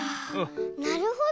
なるほど。